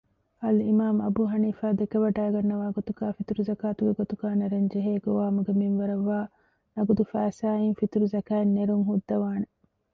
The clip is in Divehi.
އަލްއިމާމު އަބޫޙަނީފާ ދެކެވަޑައިގަންނަވާގޮތުގައި ފިޠުރުޒަކާތުގެ ގޮތުގައި ނެރެންޖެހޭ ގޮވާމުގެ މިންވަރަށްވާ ނަޤުދު ފައިސާއިން ފިޠުރުޒަކާތް ނެރުންހުއްދަވާނެ